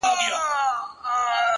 • اوښ به ولي په سرو سترګو نه ژړیږي ,